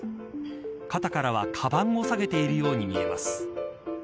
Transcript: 肩からは、かばんを提げているように見えます。